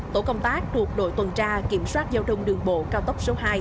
tổ công tác thuộc đội tuần tra kiểm soát giao thông đường bộ cao tốc số hai